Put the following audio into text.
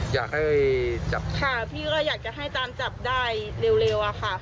อยากให้จับค่ะพี่ก็อยากจะให้ตามจับได้เร็วอะค่ะ